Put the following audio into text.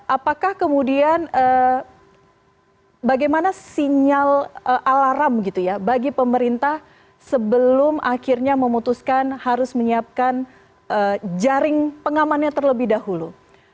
apakah kemudian bagaimana sinyal alarm gitu ya bagi pemerintah sebelum akhirnya memutuskan harus menyiapkan jaring pengamannya terlebih dahulu